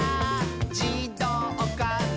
じどうかな？」